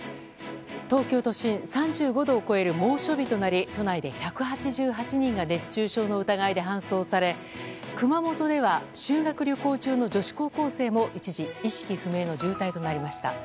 東京都心３５度を超える猛暑日となり都内で１８８人が熱中症の疑いで搬送され熊本では修学旅行中の女子高校生も一時、意識不明の重体となりました。